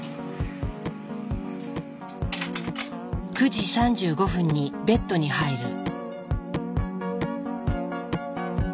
９時３５分にベッドに入る。